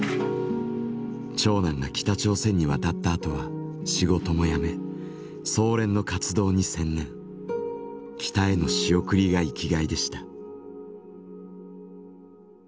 長男が北朝鮮に渡ったあとは仕事もやめ総連の活動に専念北への仕送りが生きがいでした。